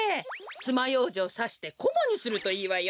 つまようじをさしてコマにするといいわよ。